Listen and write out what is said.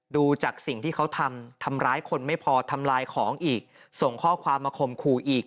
ดูจากสิ่งที่เขาทำทำร้ายคนไม่พอทำลายของอีกส่งข้อความมาข่มขู่อีก